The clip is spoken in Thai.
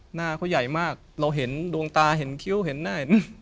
หน้าเขาใหญ่มากเราเห็นดวงตาเห็นคิ้วเห็นหน้าเห็น